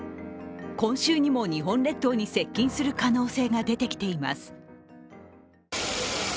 今週にも日本列島に接近する可能性が出てきています。